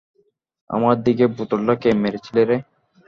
আমার দিকে বোতলটা কে মেরেছিল রে?